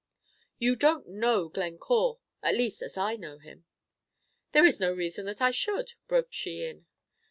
"You don't know Glencore, at least as I know him." "There is no reason that I should," broke she in.